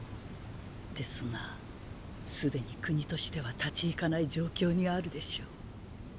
ですが既に国としては立ち行かない状況にあるでしょう。